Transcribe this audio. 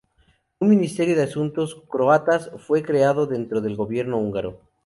Un Ministerio de Asuntos croatas fue creado dentro del gobierno húngaro.